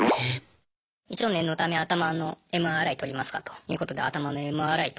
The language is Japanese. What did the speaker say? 一応念のため頭のＭＲＩ撮りますかということで頭のＭＲＩ撮ったらですね